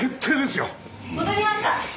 戻りました！